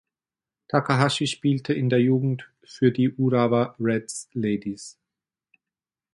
Takahashi spielte in der Jugend für die Urawa Reds Ladies.